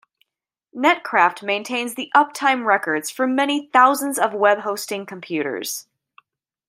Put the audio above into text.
Netcraft maintains the uptime records for many thousands of web hosting computers.